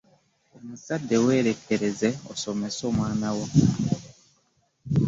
Omuzadde weerekereze osomese omwana wo.